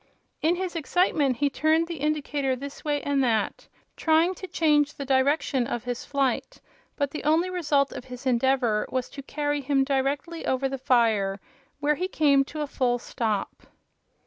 In his excitement he turned the indicator this way and that, trying to change the direction of his flight, but the only result of his endeavor was to carry him directly over the fire, where he came to a full stop.